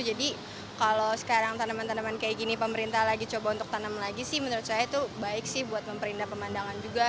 jadi kalau sekarang tanaman tanaman kayak gini pemerintah lagi coba untuk tanam lagi sih menurut saya tuh baik sih buat memperindah pemandangan juga